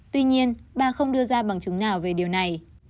tuy nhiên bà không đưa ra bằng chứng nào về điều này